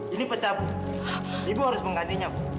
ini pecah bu harus menggantinya bu